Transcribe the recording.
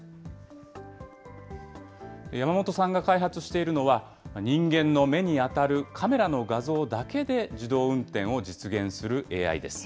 山本さんが開発しているのは、人間の目に当たるカメラの画像だけで自動運転を実現するＡＩです。